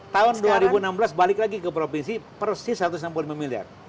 tahun dua ribu enam belas balik lagi ke provinsi persis satu ratus enam puluh lima miliar